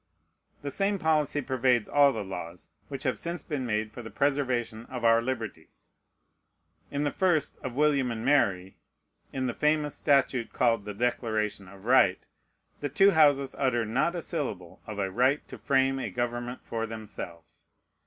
The same policy pervades all the laws which have since been made for the preservation of our liberties. In the 1st of William and Mary, in the famous statute called the Declaration of Right, the two Houses utter not a syllable of "a right to frame a government for themselves."